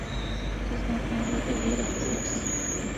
It is not known whether he had a chorus.